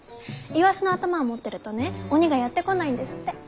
イワシの頭を持ってるとね鬼がやって来ないんですって。